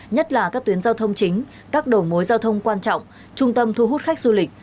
nhất là các tuyến giao thông chính các đầu mối giao thông quan trọng trung tâm thu hút khách du lịch